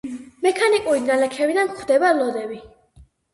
მექანიკური ნალექებიდან გვხვდება ლოდები.